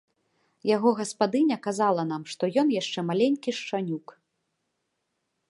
Яго гаспадыня казала нам, што ён яшчэ маленькі шчанюк.